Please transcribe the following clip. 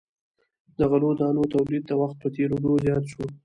د غلو دانو تولید د وخت په تیریدو زیات شو.